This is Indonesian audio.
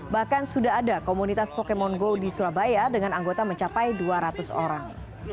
bahkan sudah ada komunitas pokemon go di surabaya dengan anggota mencapai dua ratus orang